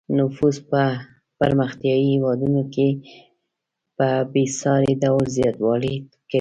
نفوس په پرمختیايي هېوادونو کې په بې ساري ډول زیاتوالی کوي.